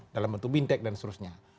dalam bentuk bintek dan seterusnya